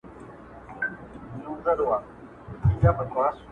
د شبګیرو په غېږ کې شپې تېروم